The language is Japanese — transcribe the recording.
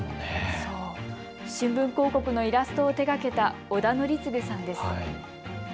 新聞広告のイラストを手がけた織田憲嗣さんです。